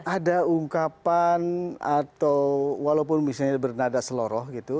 ada ungkapan atau walaupun misalnya bernada seloroh gitu